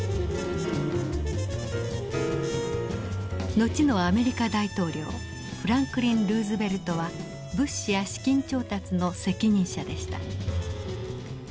後のアメリカ大統領フランクリン・ルーズベルトは物資や資金調達の責任者でした。